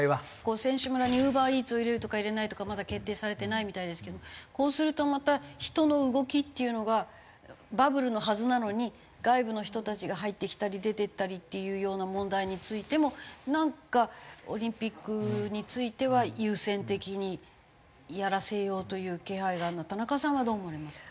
選手村にウーバーイーツを入れるとか入れないとかまだ決定されてないみたいですけどもこうするとまた人の動きっていうのがバブルのはずなのに外部の人たちが入ってきたり出ていったりっていうような問題についてもなんかオリンピックについては優先的にやらせようという気配があるのは田中さんはどう思われますか？